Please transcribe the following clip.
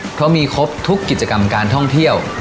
เพราะมีครบทุกกิจกรรมการท่องเที่ยว